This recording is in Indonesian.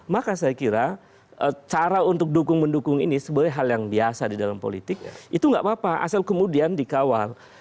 maka saya kira cara untuk dukung mendukung ini sebagai hal yang biasa di dalam politik itu nggak apa apa asal kemudian dikawal